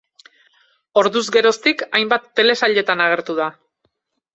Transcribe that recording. Orduz geroztik hainbat telesailetan agertu da.